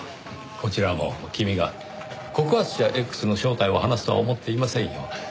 こちらも君が告発者Ｘの正体を話すとは思っていませんよ。